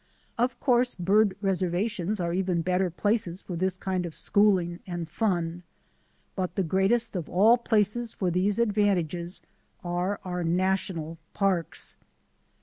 Of course bird reservations are even better places for this kind of schooling and fun. But the greatest of all places for these advantages are our national parks.